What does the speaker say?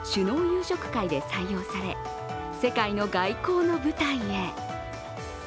夕食会で採用され世界の外交の舞台へ。